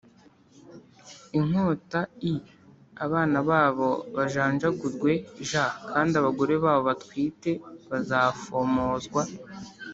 Inkota i abana babo bajanjagurwe j kandi abagore babo batwite bazafomozwa